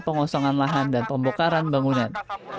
pengosongan lahan dan pembokaran bangunan